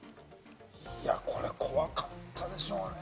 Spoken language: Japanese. これ怖かったでしょうね。